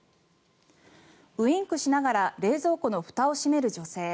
ウインクしながら冷蔵庫のふたを閉める女性。